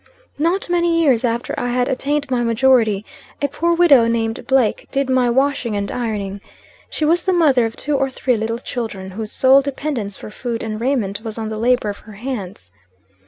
Not many years after I had attained my majority, a poor widow named Blake did my washing and ironing. She was the mother of two or three little children, whose sole dependance for food and raiment was on the labor of her hands.